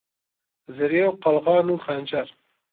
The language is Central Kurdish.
زرێ و قەلغان و خەنجەر